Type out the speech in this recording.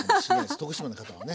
徳島の方はね。